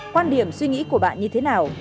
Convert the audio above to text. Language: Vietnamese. quan điểm suy nghĩ của bạn như thế nào